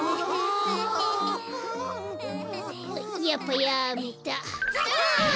やっぱやめた。